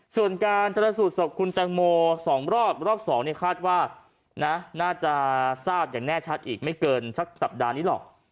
ส่วนการชนสูตรศพคุณแตงโม๒รอบรอบ๒คาดว่านะน่าจะทราบอย่างแน่ชัดอีกไม่เกินสักสัปดาห์นี้หรอก